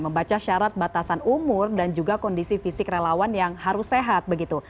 membaca syarat batasan umur dan juga kondisi fisik relawan yang harus sehat begitu